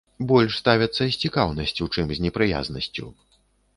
Больш ставяцца с цікаўнасцю, чым з непрыязнасцю.